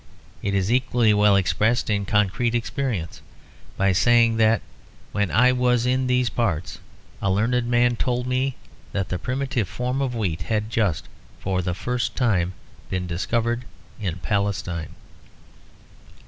It is equally well expressed in concrete experience by saying that, when I was in these parts, a learned man told me that the primitive form of wheat had just, for the first time, been discovered in Palestine.